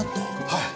はい。